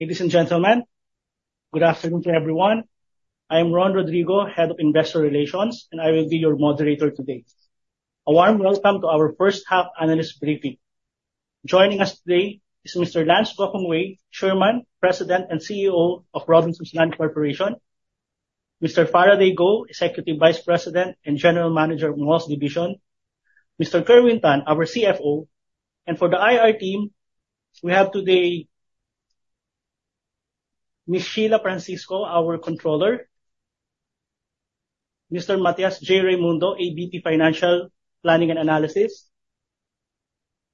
Ladies and gentlemen, good afternoon to everyone. I am Ron Rodrigo, Head of Investor Relations, and I will be your moderator today. A warm welcome to our first half analyst briefing. Joining us today is Mr. Lance Gokongwei, Chairman, President, and CEO of Robinsons Land Corporation. Mr. Faraday Go, Executive Vice President and General Manager of Malls Division. Mr. Kerwin Tan, our CFO. For the IR team, we have today Ms. Sheila Francisco, our Controller, Mr. Matthias J. Raymundo, AVP, Financial Planning and Analysis,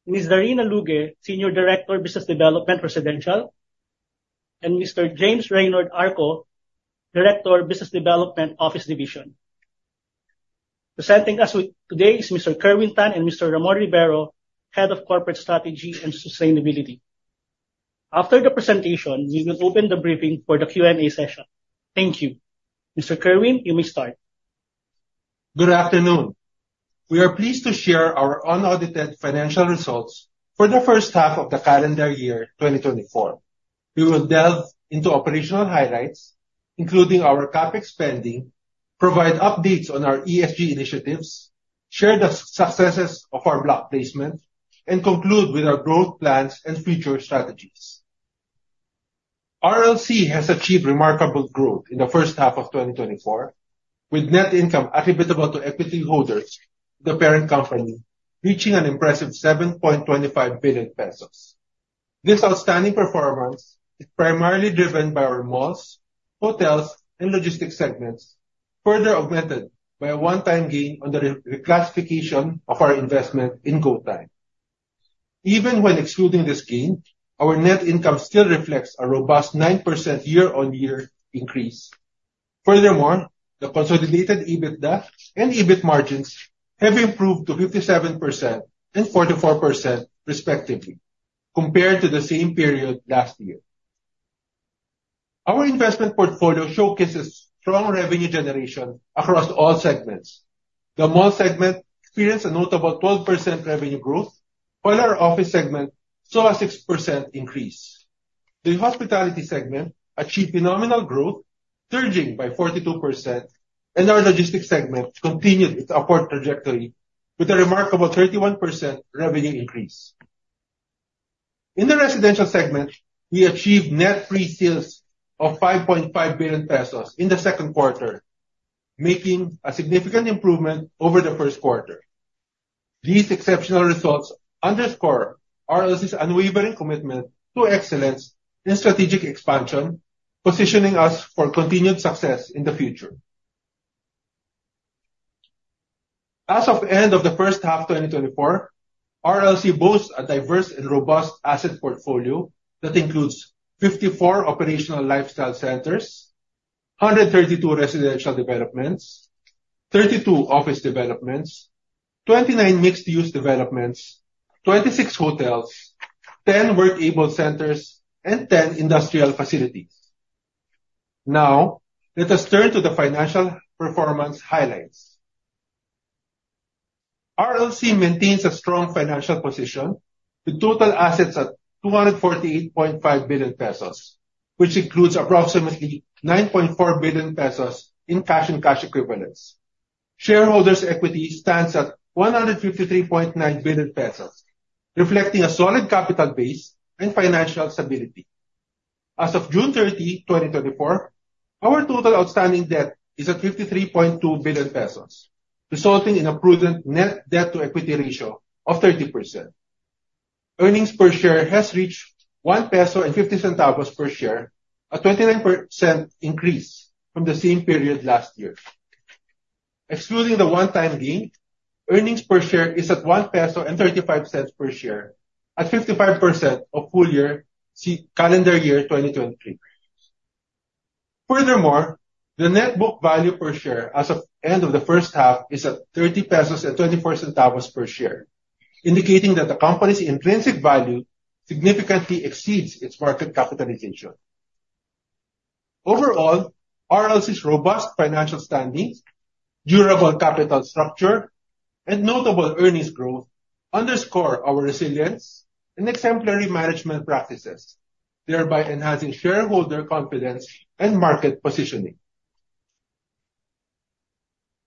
Ms. Doreen Aluge, Senior Director, Business Development, Residential, and Mr. James Reynard Arco, Director, Business Development, Office Division. Presenting us today is Mr. Kerwin Tan and Mr. Ramon Rivero, Head of Corporate Strategy and Sustainability. After the presentation, we will open the briefing for the Q&A session. Thank you. Mr. Kerwin, you may start. Good afternoon. We are pleased to share our unaudited financial results for the first half of the calendar year 2024. We will delve into operational highlights, including our CapEx spending, provide updates on our ESG initiatives, share the successes of our block placement, and conclude with our growth plans and future strategies. RLC has achieved remarkable growth in the first half of 2024, with net income attributable to equity holders of the parent company reaching an impressive 7.25 billion pesos. This outstanding performance is primarily driven by our malls, hotels, and logistics segments, further augmented by a one-time gain on the reclassification of our investment in GoTyme. Even when excluding this gain, our net income still reflects a robust 9% year-on-year increase. Furthermore, the consolidated EBITDA and EBIT margins have improved to 57% and 44% respectively, compared to the same period last year. Our investment portfolio showcases strong revenue generation across all segments. The mall segment experienced a notable 12% revenue growth, while our office segment saw a 6% increase. The hospitality segment achieved phenomenal growth, surging by 42%, and our logistics segment continued its upward trajectory with a remarkable 31% revenue increase. In the residential segment, we achieved net pre-sales of 5.5 billion pesos in the second quarter, making a significant improvement over the first quarter. These exceptional results underscore RLC's unwavering commitment to excellence in strategic expansion, positioning us for continued success in the future. As of the end of the first half of 2024, RLC boasts a diverse and robust asset portfolio that includes 54 operational lifestyle centers, 132 residential developments, 32 office developments, 29 mixed-use developments, 26 hotels, 10 work.able centers, and 10 industrial facilities. Now, let us turn to the financial performance highlights. RLC maintains a strong financial position with total assets at 248.5 billion pesos, which includes approximately 9.4 billion pesos in cash and cash equivalents. Shareholders' equity stands at 153.9 billion pesos, reflecting a solid capital base and financial stability. As of June 30, 2024, our total outstanding debt is at 53.2 billion pesos, resulting in a prudent net debt-to-equity ratio of 30%. Earnings per share has reached 1.50 peso per share, a 29% increase from the same period last year. Excluding the one-time gain, earnings per share is at 1.35 peso per share, at 55% of full year calendar year 2023. Furthermore, the net book value per share as of end of the first half is at 30.24 pesos per share, indicating that the company's intrinsic value significantly exceeds its market capitalization. Overall, RLC's robust financial standings, durable capital structure, and notable earnings growth underscore our resilience and exemplary management practices, thereby enhancing shareholder confidence and market positioning.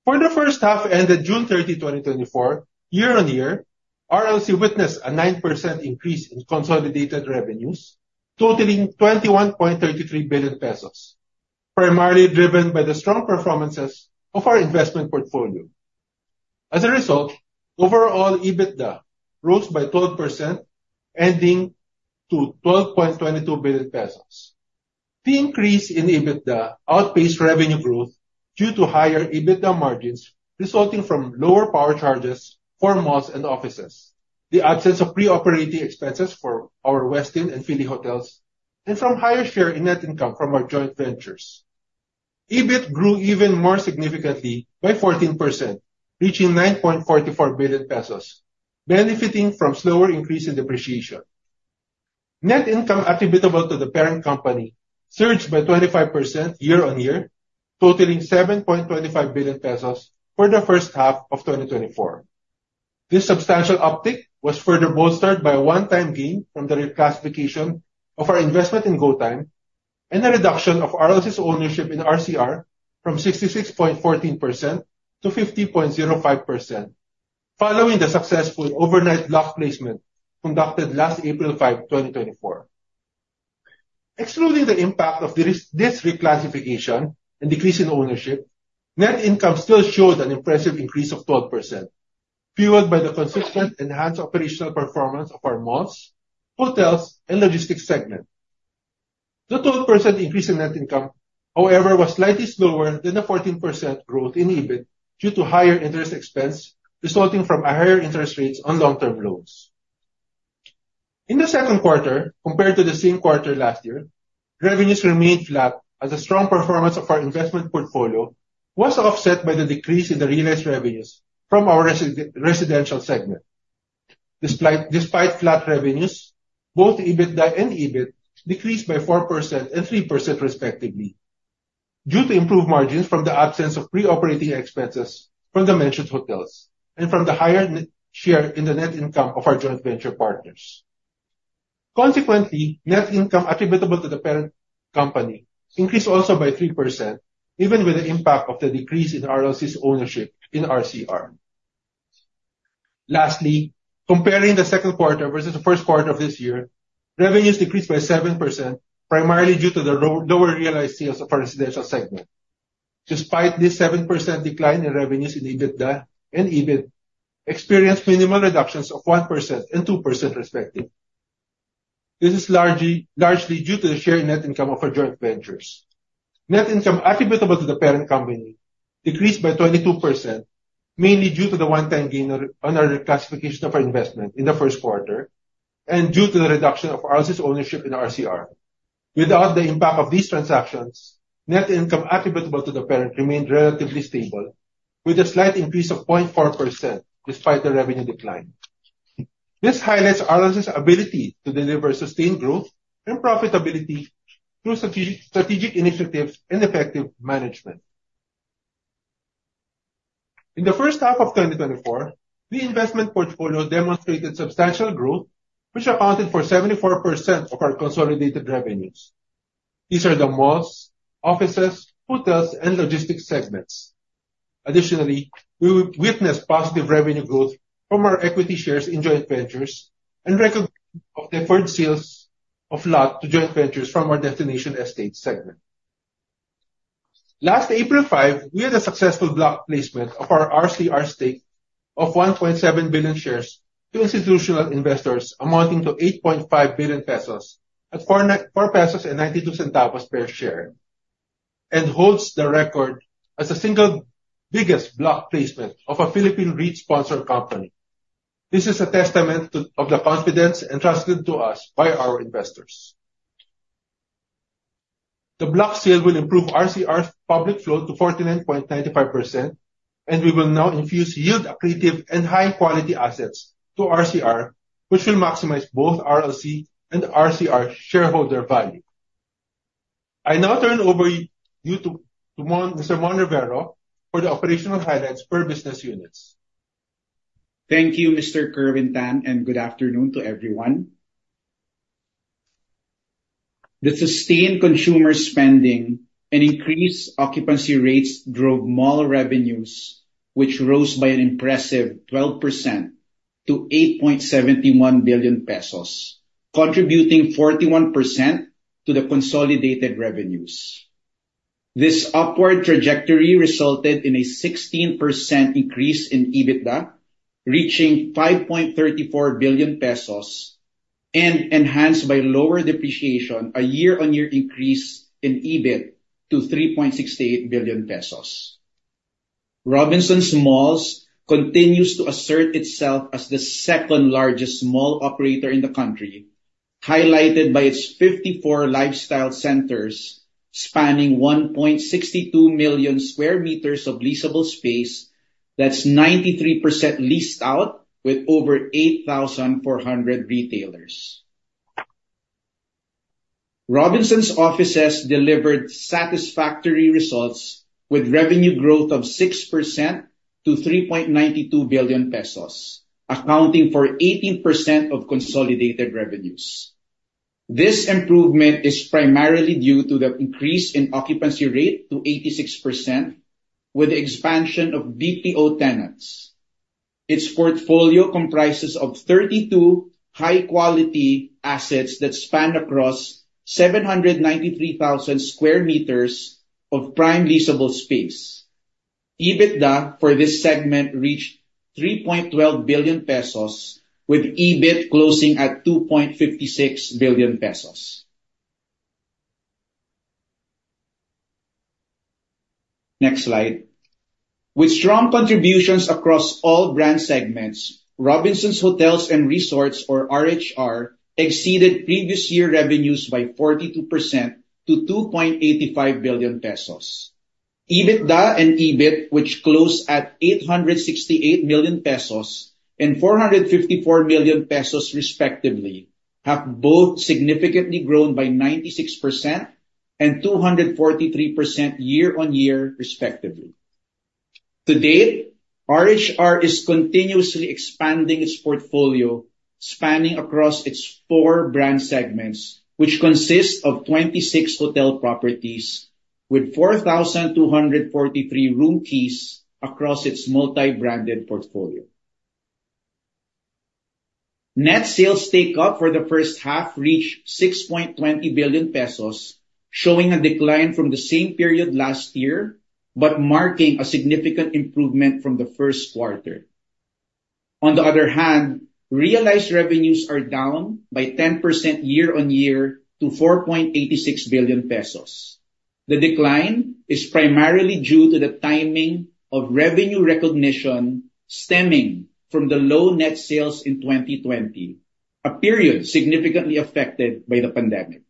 For the first half ended June 30, 2024, year-on-year, RLC witnessed a 9% increase in consolidated revenues totaling 21.33 billion pesos, primarily driven by the strong performances of our investment portfolio. As a result, overall EBITDA rose by 12%, ending at 12.22 billion pesos. The increase in EBITDA outpaced revenue growth due to higher EBITDA margins, resulting from lower power charges for malls and offices, the absence of pre-operating expenses for our Westin and Fili Hotels, and from higher share in net income from our joint ventures. EBIT grew even more significantly by 14%, reaching 9.44 billion pesos, benefiting from slower increase in depreciation. Net income attributable to the parent company surged by 25% year-on-year, totaling 7.25 billion pesos for the first half of 2024. This substantial uptick was further bolstered by a one-time gain from the reclassification of our investment in GoTyme and the reduction of RLC's ownership in RCR from 66.14% to 50.05%, following the successful overnight block placement conducted last April 5, 2024. Excluding the impact of this reclassification and decrease in ownership, net income still shows an impressive increase of 12%, fueled by the consistent enhanced operational performance of our malls, hotels, and logistics segment. The 12% increase in net income, however, was slightly slower than the 14% growth in EBIT due to higher interest expense resulting from higher interest rates on long-term loans. In the second quarter, compared to the same quarter last year, revenues remained flat as the strong performance of our investment portfolio was offset by the decrease in the realized revenues from our residential segment. Despite flat revenues, both EBITDA and EBIT decreased by 4% and 3% respectively, due to improved margins from the absence of pre-operating expenses from the mentioned hotels and from the higher net share in the net income of our joint venture partners. Consequently, net income attributable to the parent company increased also by 3%, even with the impact of the decrease in RLC's ownership in RCR. Lastly, comparing the second quarter versus the first quarter of this year, revenues decreased by 7%, primarily due to the lower realized sales of our residential segment. Despite this 7% decline in revenues, EBITDA and EBIT experienced minimal reductions of 1% and 2% respectively. This is largely due to the share in net income of our joint ventures. Net income attributable to the parent company decreased by 22%, mainly due to the one-time gain on our reclassification of our investment in the first quarter and due to the reduction of RLC's ownership in RCR. Without the impact of these transactions, net income attributable to the parent remained relatively stable, with a slight increase of 0.4% despite the revenue decline. This highlights RLC's ability to deliver sustained growth and profitability through strategic initiatives and effective management. In the first half of 2024, the investment portfolio demonstrated substantial growth, which accounted for 74% of our consolidated revenues. These are the malls, offices, hotels and logistics segments. Additionally, we witnessed positive revenue growth from our equity shares in joint ventures and recognition of deferred sales of lot to joint ventures from our destination estate segment. Last April 5, we had a successful block placement of our RLCR stake of 1.7 billion shares to institutional investors amounting to 8.5 billion pesos at 4.92 pesos per share, and holds the record as the single biggest block placement of a Philippine REIT-sponsored company. This is a testament of the confidence entrusted to us by our investors. The block sale will improve RLCR's public float to 49.95%, and we will now infuse yield accretive and high-quality assets to RLCR, which will maximize both RLC and RLCR shareholder value. I now turn it over to Mr. Mon Rivero for the operational highlights per business units. Thank you, Mr. Kerwin Tan, and good afternoon to everyone. The sustained consumer spending and increased occupancy rates drove mall revenues, which rose by an impressive 12% to 8.71 billion pesos, contributing 41% to the consolidated revenues. This upward trajectory resulted in a 16% increase in EBITDA, reaching 5.34 billion pesos and enhanced by lower depreciation, a year-on-year increase in EBIT to 3.68 billion pesos. Robinsons Malls continues to assert itself as the second-largest mall operator in the country, highlighted by its 54 lifestyle centers spanning 1.62 million sq m of leasable space, that's 93% leased out with over 8,400 retailers. Robinsons Offices delivered satisfactory results with revenue growth of 6% to 3.92 billion pesos, accounting for 18% of consolidated revenues. This improvement is primarily due to the increase in occupancy rate to 86% with the expansion of BPO tenants. Its portfolio comprises of 32 high-quality assets that span across 793,000 sq m of prime leasable space. EBITDA for this segment reached 3.12 billion pesos, with EBIT closing at 2.56 billion pesos. Next slide. With strong contributions across all brand segments, Robinsons Hotels and Resorts, or RHR, exceeded previous year revenues by 42% to 2.85 billion pesos. EBITDA and EBIT, which closed at 868 million pesos and 454 million pesos respectively, have both significantly grown by 96% and 243% year-on-year, respectively. To date, RHR is continuously expanding its portfolio, spanning across its four brand segments, which consist of 26 hotel properties with 4,243 room keys across its multi-branded portfolio. Net sales take-up for the first half reached 6.20 billion pesos, showing a decline from the same period last year, but marking a significant improvement from the first quarter. On the other hand, realized revenues are down by 10% year-over-year to 4.86 billion pesos. The decline is primarily due to the timing of revenue recognition stemming from the low net sales in 2020, a period significantly affected by the pandemic.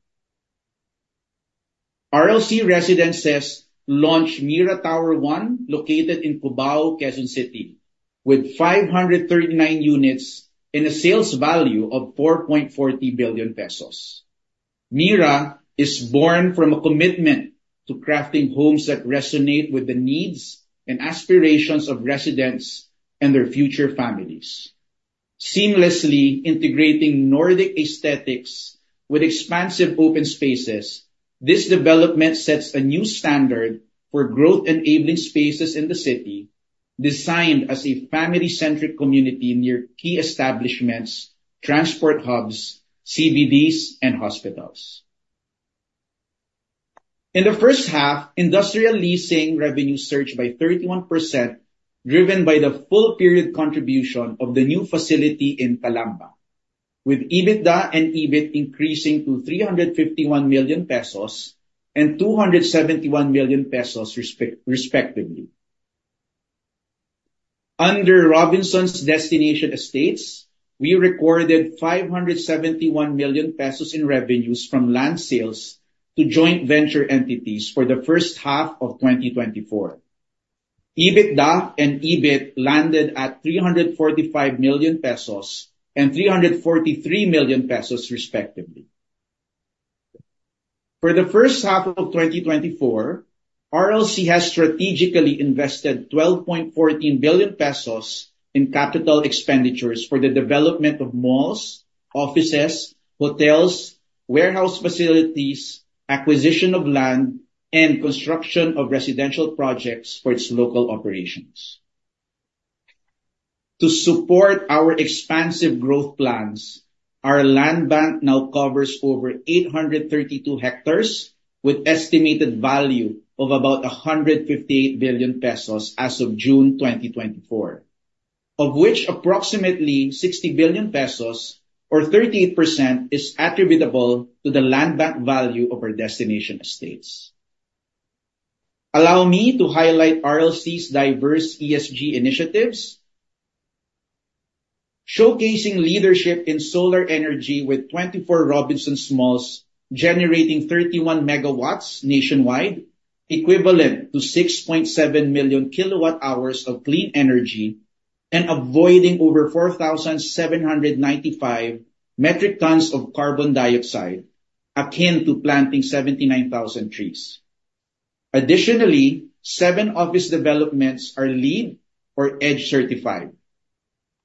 RLC Residences launched MIRA Tower 1, located in Cubao, Quezon City, with 539 units and a sales value of 4.40 billion pesos. MIRA is born from a commitment to crafting homes that resonate with the needs and aspirations of residents and their future families. Seamlessly integrating Nordic aesthetics with expansive open spaces, this development sets a new standard for growth-enabling spaces in the city, designed as a family-centric community near key establishments, transport hubs, CBDs and hospitals. In the first half, industrial leasing revenue surged by 31%, driven by the full-period contribution of the new facility in Calamba, with EBITDA and EBIT increasing to 351 million pesos and 271 million pesos, respectively. Under Robinsons Destination Estates, we recorded 571 million pesos in revenues from land sales to joint venture entities for the first half of 2024. EBITDA and EBIT landed at 345 million pesos and 343 million pesos respectively. For the first half of 2024, RLC has strategically invested 12.14 billion pesos in capital expenditures for the development of malls, offices, hotels, warehouse facilities, acquisition of land, and construction of residential projects for its local operations. To support our expansive growth plans, our land bank now covers over 832 hectares with estimated value of about 158 billion pesos as of June 2024, of which approximately 60 billion pesos or 38% is attributable to the land bank value of our destination estates. Allow me to highlight RLC's diverse ESG initiatives. Showcasing leadership in solar energy with 24 Robinsons Malls generating 31 MW nationwide, equivalent to 6.7 million kWh of clean energy and avoiding over 4,795 metric tons of carbon dioxide, akin to planting 79,000 trees. Additionally, seven office developments are LEED or EDGE certified.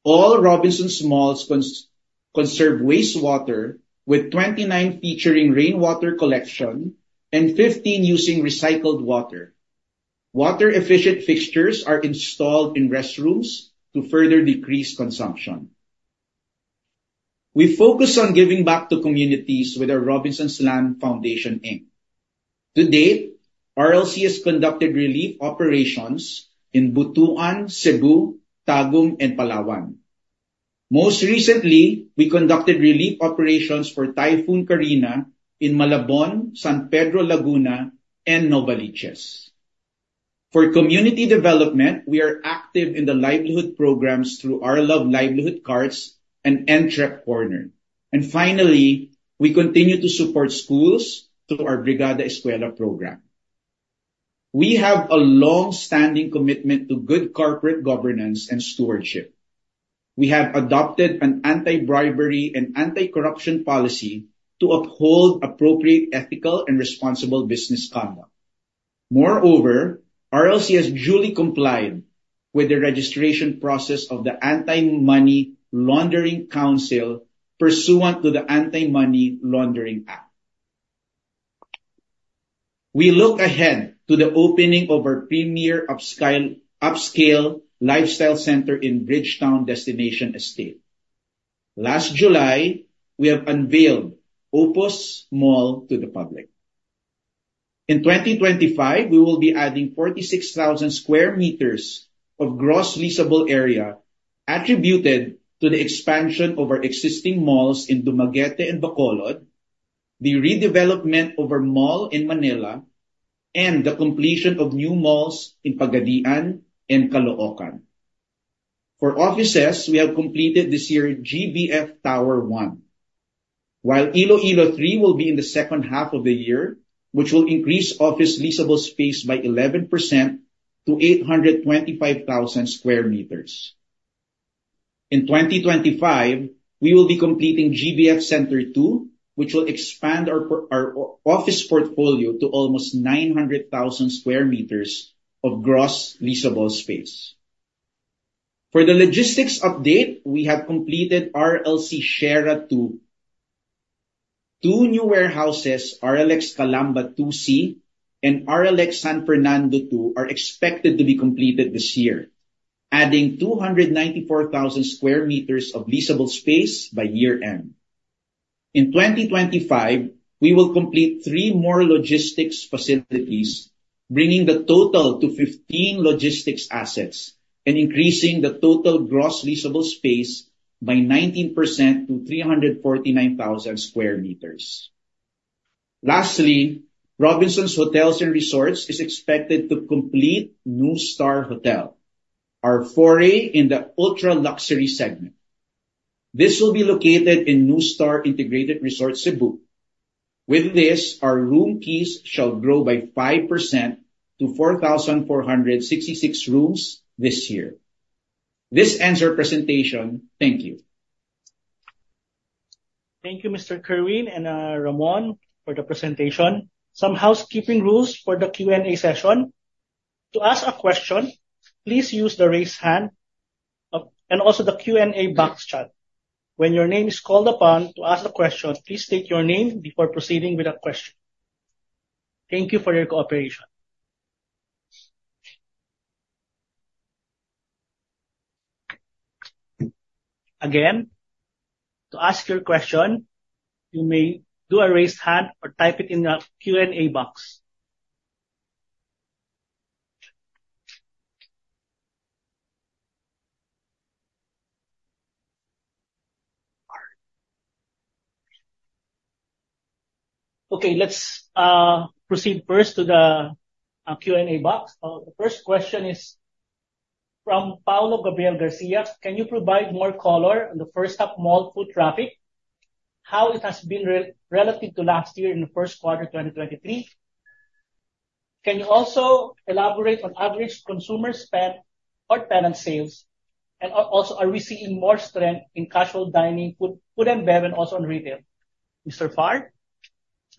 All Robinsons Malls conserve wastewater, with 29 featuring rainwater collection and 15 using recycled water. Water-efficient fixtures are installed in restrooms to further decrease consumption. We focus on giving back to communities with our Robinsons Land Foundation, Inc. To date, RLC has conducted relief operations in Butuan, Cebu, Tagum, and Palawan. Most recently, we conducted relief operations for Typhoon Carina in Malabon, San Pedro, Laguna and Nueva Ecija. For community development, we are active in the livelihood programs through RLove Livelihood Carts and Entrep Corner. Finally, we continue to support schools through our Brigada Eskwela program. We have a long-standing commitment to good corporate governance and stewardship. We have adopted an anti-bribery and anti-corruption policy to uphold appropriate ethical and responsible business conduct. Moreover, RLC has duly complied with the registration process of the Anti-Money Laundering Council pursuant to the Anti-Money Laundering Act. We look ahead to the opening of our premier upscale lifestyle center in Bridgetowne Destination Estate. Last July, we have unveiled Opus Mall to the public. In 2025, we will be adding 46,000 sq m of gross leasable area attributed to the expansion of our existing malls in Dumaguete and Bacolod, the redevelopment of our mall in Manila, and the completion of new malls in Pagadian and Caloocan. For offices, we have completed this year GBF Tower 1, while Iloilo 3 will be in the second half of the year, which will increase office leasable space by 11% to 825,000 sq m. In 2025, we will be completing GBF Center 2, which will expand our office portfolio to almost 900,000 sq m of gross leasable space. For the logistics update, we have completed RLC Sierra 2. Two new warehouses, RLX Calamba 2C and RLX San Fernando 2 are expected to be completed this year, adding 294,000 sq m of leasable space by year-end. In 2025, we will complete three more logistics facilities, bringing the total to 15 logistics assets and increasing the total gross leasable space by 19% to 349,000 sq m. Lastly, Robinsons Hotels and Resorts is expected to complete NUSTAR Hotel, our foray in the ultra-luxury segment. This will be located in NUSTAR Resort and Casino, Cebu. With this, our room keys shall grow by 5% to 4,466 rooms this year. This ends our presentation. Thank you. Thank you, Mr. Kerwin and Ramon for the presentation. Some housekeeping rules for the Q&A session. To ask a question, please use the raise hand, and also the Q&A box chat. When your name is called upon to ask a question, please state your name before proceeding with the question. Thank you for your cooperation. Again, to ask your question, you may do a raise hand or type it in the Q&A box. Okay, let's proceed first to the Q&A box. The first question is from Paolo Gabriel Garcia: Can you provide more color on the first half mall foot traffic, how it has been relative to last year in the first quarter 2023? Can you also elaborate on average consumer spend or tenant sales? And also, are we seeing more strength in casual dining, food and bev, and also on retail? Mr. Far?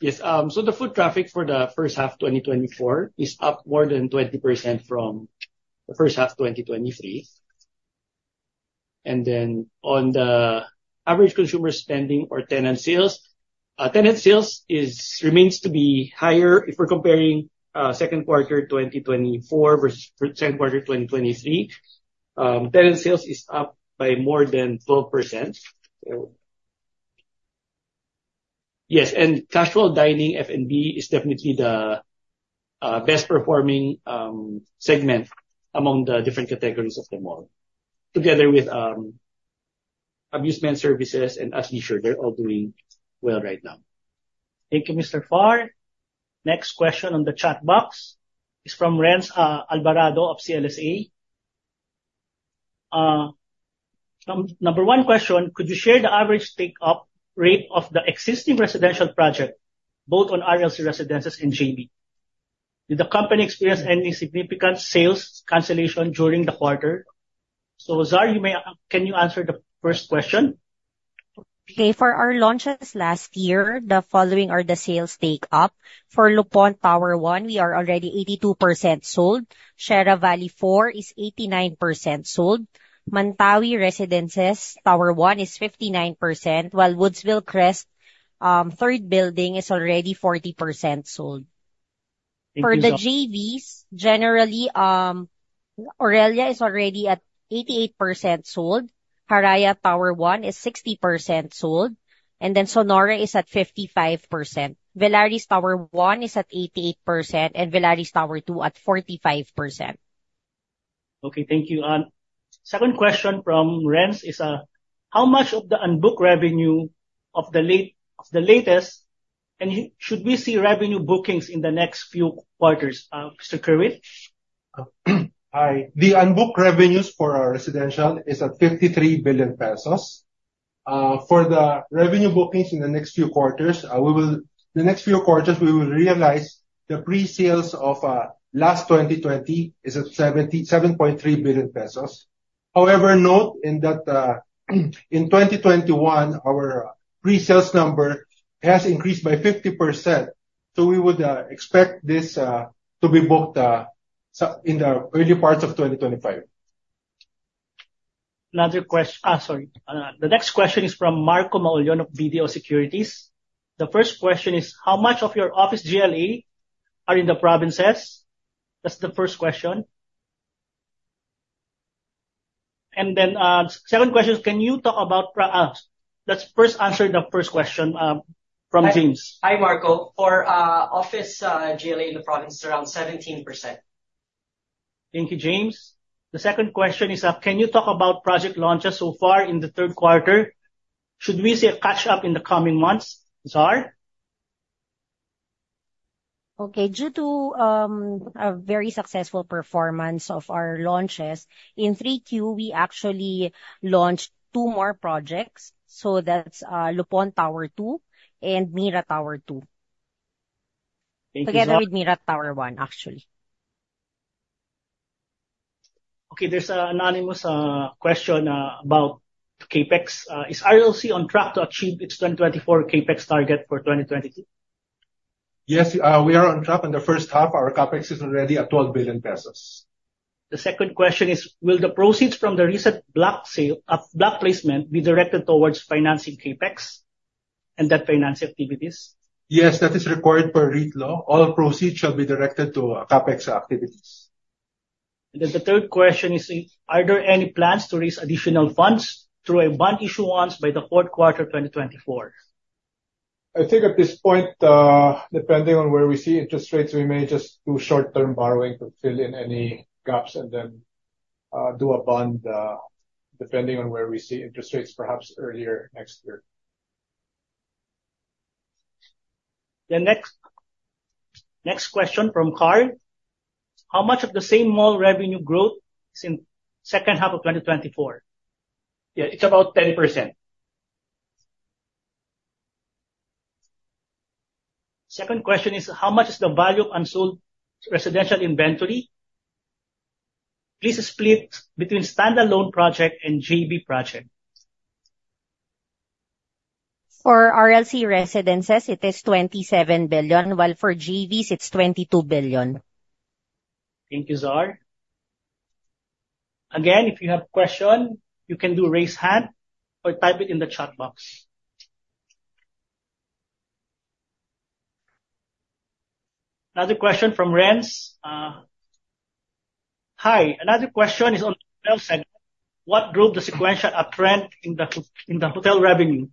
Yes. The foot traffic for the first half 2024 is up more than 20% from the first half 2023. On the average consumer spending or tenant sales, tenant sales remains to be higher if we're comparing second quarter 2024 versus second quarter 2023. Tenant sales is up by more than 12%. Yes, casual dining F&B is definitely the best performing segment among the different categories of the mall, together with amusement services and athleisure. They're all doing well right now. Thank you, Mr. Far. Next question on the chat box is from Renz Alvarado of CLSA. Number one question: Could you share the average take-up rate of the existing residential project, both on RLC Residences and JV? Did the company experience any significant sales cancellation during the quarter? Zar, can you answer the first question? Okay, for our launches last year, the following are the sales take-up. For Le Pont Residences, we are already 82% sold. Sierra Valley Gardens is 89% sold. Mantawi Residences Tower 1 is 59%, while Woodsville Crest third building is already 40% sold. Thank you, Zar. For the JVs, generally, Aurelia is already at 88% sold. Haraya Tower 1 is 60% sold, and then Sonora is at 55%. Velaris Tower 1 is at 88%, and Velaris Tower 2 at 45%. Okay, thank you. Second question from Renz is, how much of the unbooked revenue of the latest, and should we see revenue bookings in the next few quarters? Mr. Kerwin? Hi. The unbooked revenues for our residential is at 53 billion pesos. For the revenue bookings in the next few quarters, we will realize the pre-sales of last 2020 is at 7.3 billion pesos. However, note that in 2021, our pre-sales number has increased by 50%, so we would expect this to be booked in the early parts of 2025. The next question is from Marco Maullon of BDO Securities. The first question is, how much of your office GLA are in the provinces? That's the first question. Then second question is, let's first answer the first question from James. Hi, Marco. For office GLA in the province, around 17%. Thank you, James. The second question is, can you talk about project launches so far in the third quarter? Should we see a catch-up in the coming months? Zar? Okay. Due to a very successful performance of our launches, in 3Q, we actually launched two more projects. That's Le Pont Residences and MIRA Tower 2. Together with MIRA Tower 1, actually. Okay. There's an anonymous question about CapEx. Is RLC on track to achieve its 2024 CapEx target for 2023? Yes. We are on track. In the first half, our CapEx is already at 12 billion pesos. The second question is, will the proceeds from the recent block placement be directed towards financing CapEx and debt financing activities? Yes. That is required per REIT law. All proceeds shall be directed to CapEx activities. The third question is, are there any plans to raise additional funds through a bond issuance by the fourth quarter 2024? I think at this point, depending on where we see interest rates, we may just do short-term borrowing to fill in any gaps and then do a bond, depending on where we see interest rates, perhaps earlier next year. The next question from Carl. How much of the same mall revenue growth is in second half of 2024? Yeah, it's about 20%. Second question is, how much is the value of unsold residential inventory? Please split between standalone project and JV project. For RLC Residences, it is 27 billion, while for JVs, it's 22 billion. Thank you, Zar. Again, if you have question, you can raise hand or type it in the chat box. Another question from Renz. Hi, another question is on hotel segment. What drove the sequential uptrend in the hotel revenue?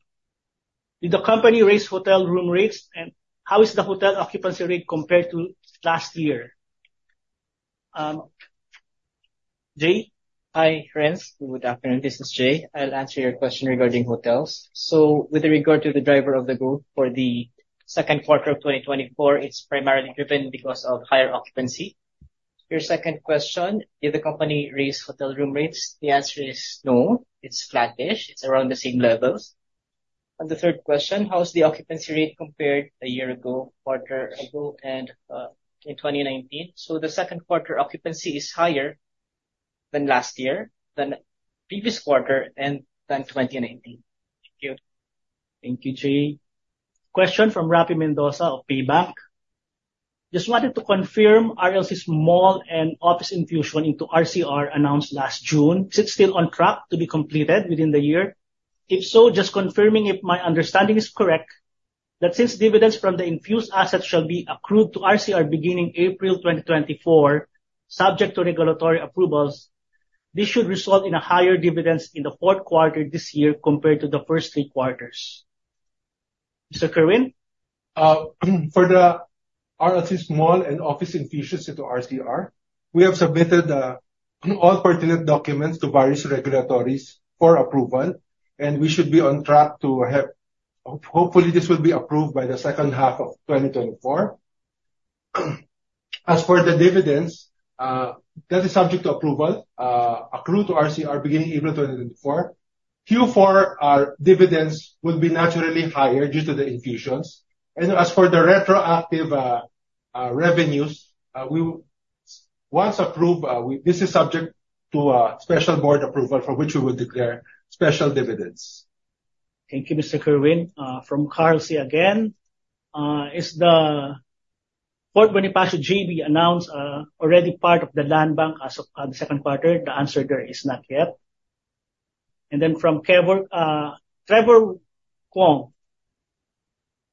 Did the company raise hotel room rates? And how is the hotel occupancy rate compared to last year? Jay? Hi, Renz. Good afternoon. This is Jay. I'll answer your question regarding hotels. With regard to the driver of the group for the second quarter of 2024, it's primarily driven because of higher occupancy. Your second question, did the company raise hotel room rates? The answer is no. It's flattish. It's around the same levels. The third question, how is the occupancy rate compared a year ago, quarter ago, and in 2019? The second quarter occupancy is higher than last year, than previous quarter, and than 2019. Thank you. Thank you, Jay. Question from Rafael Mendoza of Maybank. Just wanted to confirm RLC's mall and office infusion into RCR announced last June. Is it still on track to be completed within the year? If so, just confirming if my understanding is correct. That since dividends from the infused assets shall be accrued to RCR beginning April 2024, subject to regulatory approvals, this should result in a higher dividends in the fourth quarter this year compared to the first three quarters. Mr. Kerwin? For the RLC's mall and office infusions into RCR, we have submitted all pertinent documents to various regulators for approval, and we should be on track to have. Hopefully, this will be approved by the second half of 2024. As for the dividends, that is subject to approval, accrue to RCR beginning April 2024. Q4 dividends will be naturally higher due to the infusions. As for the retroactive revenues, once approved, this is subject to a special board approval for which we will declare special dividends. Thank you, Mr. Kerwin. From Carl C. again. Is the Fort Bonifacio JV announced already part of the land bank as of the second quarter? The answer there is not yet. From Trevor Kwong.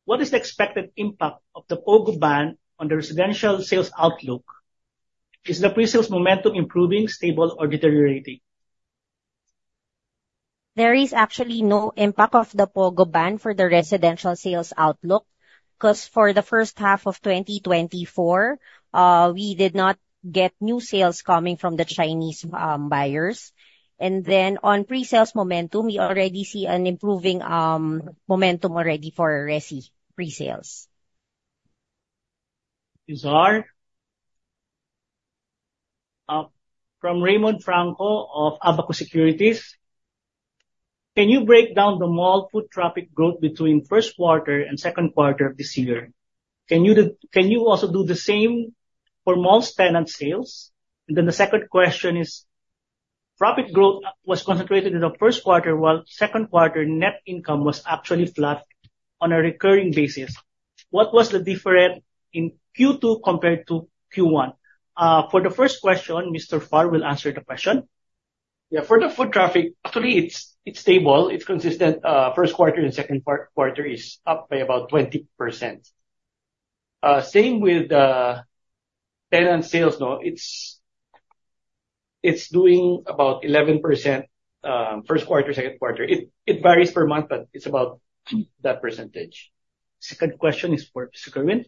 What is the expected impact of the POGO ban on the residential sales outlook? Is the pre-sales momentum improving, stable, or deteriorating? There is actually no impact of the POGO ban for the residential sales outlook, because for the first half of 2024, we did not get new sales coming from the Chinese buyers. On pre-sales momentum, we already see an improving momentum already for resi pre-sales. Thank you, Zar. From Raymond Franco of Abacus Securities. Can you break down the mall foot traffic growth between first quarter and second quarter of this year? Can you also do the same for mall's tenant sales? The second question is, profit growth was concentrated in the first quarter, while second quarter net income was actually flat on a recurring basis. What was the difference in Q2 compared to Q1? For the first question, Mr. Far will answer the question. Yeah, for the food traffic, actually it's stable, it's consistent. First quarter and second quarter is up by about 20%. Same with the tenant sales. It's doing about 11% first quarter, second quarter. It varies per month, but it's about that percentage. Second question is for Mr. Kerwin.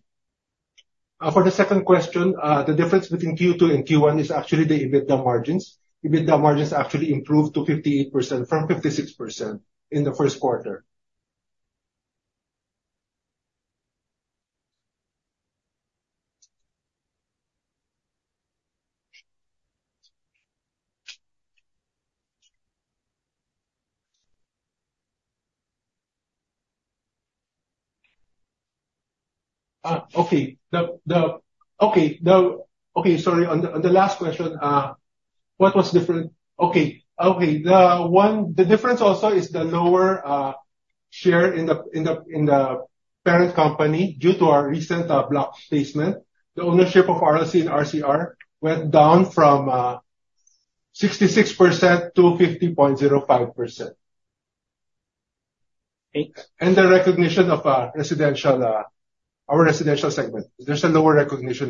For the second question, the difference between Q2 and Q1 is actually the EBITDA margins. EBITDA margins actually improved to 58% from 56% in the first quarter. Okay. Sorry. On the last question, what was different? Okay. The difference also is the lower share in the parent company due to our recent block placement. The ownership of RLC and RCR went down from 66% to 50.05%. Thanks. The recognition of our residential segment. There's a lower recognition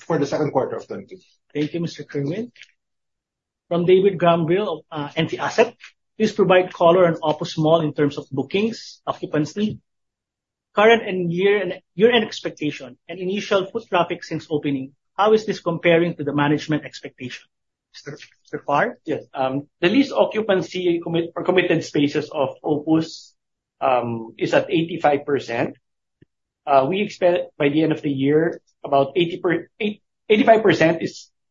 for the second quarter of 2023. Thank you, Mr. Kerwin. From David Granville of NT Asset. Please provide color on Opus Mall in terms of bookings, occupancy, current and year-end expectation, and initial foot traffic since opening. How is this comparing to the management expectation? Mr. Far? Yes. The lease occupancy for committed spaces of Opus is at 85%. 85%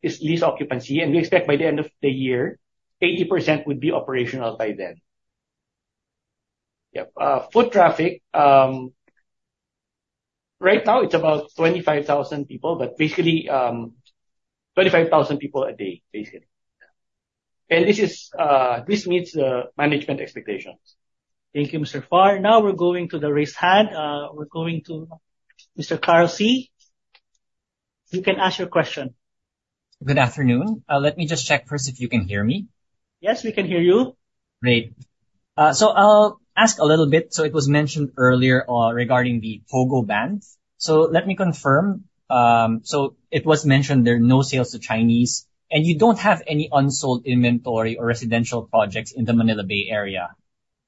is lease occupancy, and we expect by the end of the year, 80% would be operational by then. Yep. Foot traffic. Right now it's about 25,000 people a day, basically. This meets management expectations. Thank you, Mr. Far. Now we're going to the raised hand. We're going to Mr. Carl C. You can ask your question. Good afternoon. Let me just check first if you can hear me. Yes, we can hear you. Great. I'll ask a little bit. It was mentioned earlier regarding the POGO ban. Let me confirm. It was mentioned there are no sales to Chinese, and you don't have any unsold inventory or residential projects in the Manila Bay area.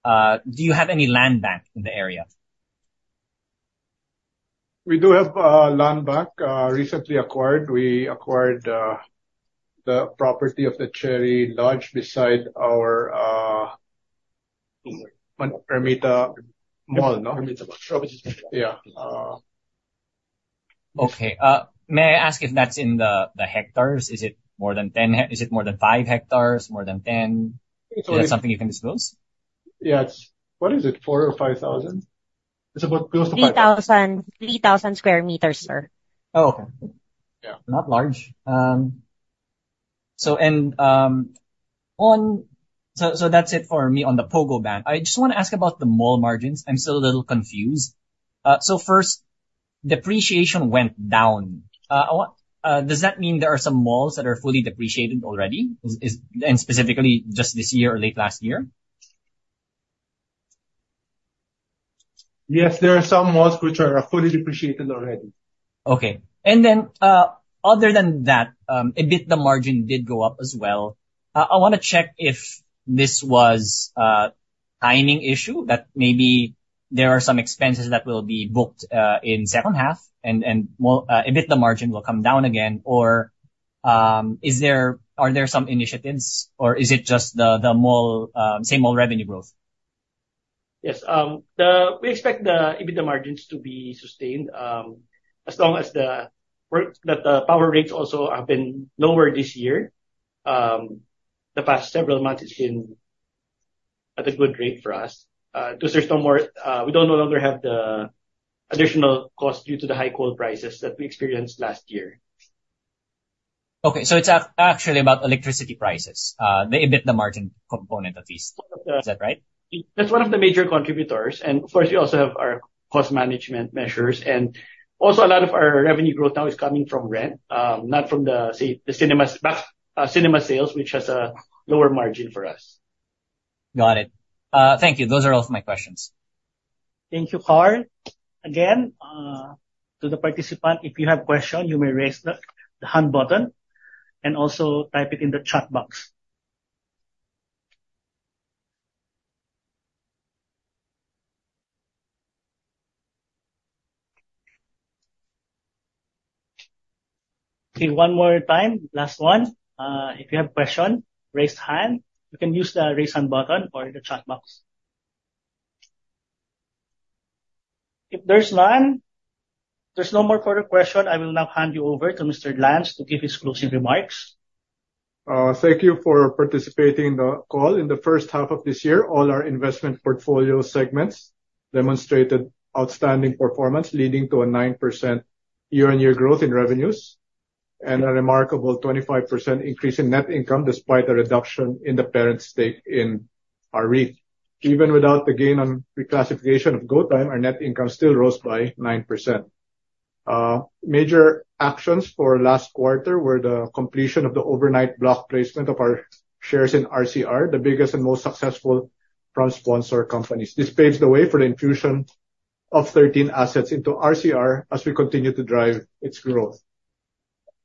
Do you have any land bank in the area? We do have a land bank, recently acquired. We acquired the property of the Cherry Lodge beside our Ermita Mall. No? Ermita Mall. Yeah. Okay. May I ask if that's in the hectares? Is it more than five hectares? More than 10? Is that something you can disclose? Yeah. What is it? 4,000 sq m or 5,000 sq m? It's about close to 5,000 sq m. 3,000 sq m, sir. Oh, okay. Yeah. Not large. That's it for me on the POGO ban. I just want to ask about the mall margins. I'm still a little confused. First, depreciation went down. Does that mean there are some malls that are fully depreciated already? Specifically just this year or late last year? Yes, there are some malls which are fully depreciated already. Okay. Other than that, EBITDA margin did go up as well. I want to check if this was a timing issue, that maybe there are some expenses that will be booked in second half and then the margin will come down again. Are there some initiatives or is it just the same old revenue growth? Yes. We expect the EBITDA margins to be sustained as long as the power rates also have been lower this year. The past several months has been at a good rate for us. We no longer have the additional cost due to the high coal prices that we experienced last year. Okay. It's actually about electricity prices, the EBITDA margin component of this. Is that right? That's one of the major contributors. Of course, we also have our cost management measures. Also, a lot of our revenue growth now is coming from rent, not from the cinema sales, which has a lower margin for us. Got it. Thank you. Those are all of my questions. Thank you, Carl. Again to the participant, if you have question, you may raise the hand button and also type it in the chat box. Okay, one more time. Last one. If you have question, raise hand. You can use the raise hand button or in the chat box. If there's none, there's no more further question, I will now hand you over to Mr. Lance to give his closing remarks. Thank you for participating in the call. In the first half of this year, all our investment portfolio segments demonstrated outstanding performance, leading to a 9% year-on-year growth in revenues and a remarkable 25% increase in net income, despite a reduction in the parent stake in our REIT. Even without the gain on reclassification of GoTyme, our net income still rose by 9%. Major actions for last quarter were the completion of the overnight block placement of our shares in RCR, the biggest and most successful front sponsor companies. This paves the way for the infusion of 13 assets into RCR as we continue to drive its growth.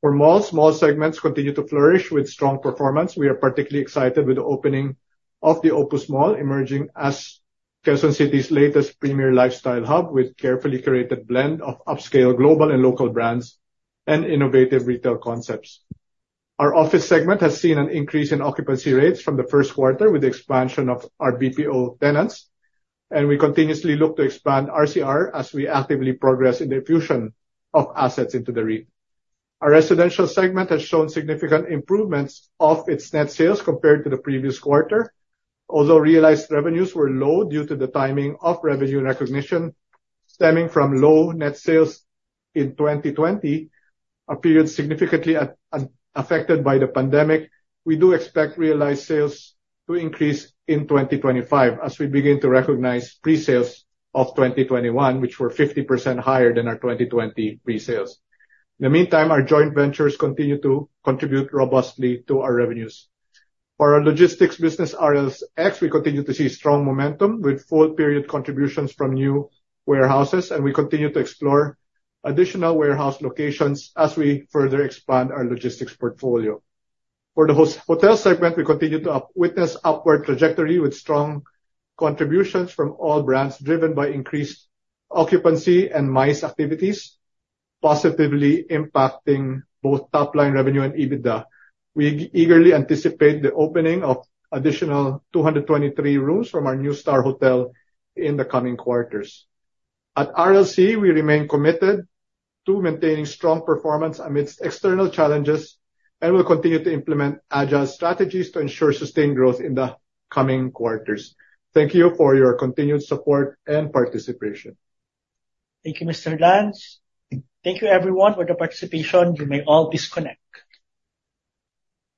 For malls, mall segments continue to flourish with strong performance. We are particularly excited with the opening of the Opus Mall, emerging as Quezon City's latest premier lifestyle hub with carefully curated blend of upscale global and local brands and innovative retail concepts. Our office segment has seen an increase in occupancy rates from the first quarter with the expansion of our BPO tenants, and we continuously look to expand RCR as we actively progress in the infusion of assets into the REIT. Our residential segment has shown significant improvements of its net sales compared to the previous quarter. Although realized revenues were low due to the timing of revenue recognition stemming from low net sales in 2020, a period significantly affected by the pandemic, we do expect realized sales to increase in 2025 as we begin to recognize pre-sales of 2021, which were 50% higher than our 2020 pre-sales. In the meantime, our joint ventures continue to contribute robustly to our revenues. For our logistics business, RLX, we continue to see strong momentum with full period contributions from new warehouses, and we continue to explore additional warehouse locations as we further expand our logistics portfolio. For the hotel segment, we continue to witness upward trajectory with strong contributions from all brands, driven by increased occupancy and MICE activities, positively impacting both top-line revenue and EBITDA. We eagerly anticipate the opening of additional 223 rooms from our NUSTAR Hotel in the coming quarters. At RLC, we remain committed to maintaining strong performance amidst external challenges and will continue to implement agile strategies to ensure sustained growth in the coming quarters. Thank you for your continued support and participation. Thank you, Mr. Lance. Thank you everyone for the participation. You may all disconnect.